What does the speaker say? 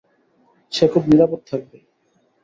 সে খুব নিরাপদ থাকবে।